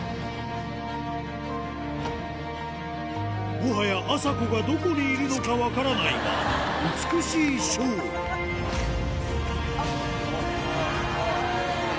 もはやあさこがどこにいるのか分からないが美しいショースゴい！